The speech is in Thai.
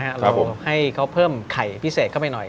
เราให้เขาเพิ่มไข่พิเศษเข้าไปหน่อย